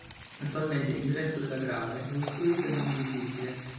Attualmente l'ingresso della Grave è ostruito e non visibile.